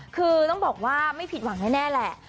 คือต้องบอกว่าไม่ผิดหวังแน่แหละ